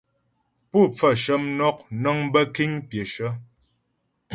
Pú pfaə shə mnɔk nəŋ bə́ kéŋ pyəshə.